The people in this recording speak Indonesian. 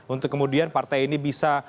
untuk kemudian partai ini bisa